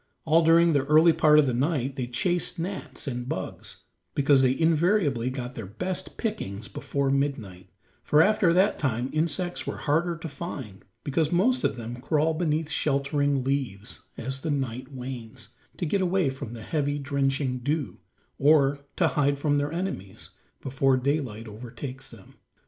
All during the early part of the night they chased gnats and bugs, because they invariably got their best pickings before midnight, for after that time insects were harder to find because most of them crawl beneath sheltering leaves, as the night wanes, to get away from the heavy, drenching dew, or hide from their enemies before daylight overtakes them.